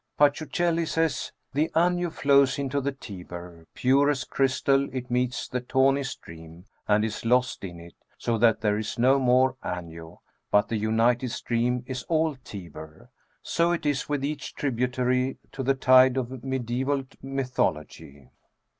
Pacciuchelli says :—" The Anio flows into the Tiber ; pure as crystal it meets the tawny stream, and is lost in it, so that there is no more Anio, but the united stream is all Tiber." So is it with each tributary to the tide of medisBval mythology.